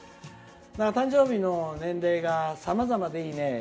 誕生日の年齢がさまざまでいいね。